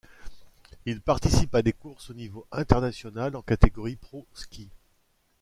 Il participe à des courses au niveau international en catégorie Pro Ski.